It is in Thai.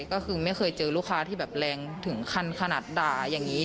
ก็คือไม่เคยเจอลูกค้าที่แบบแรงถึงขั้นขนาดด่าอย่างนี้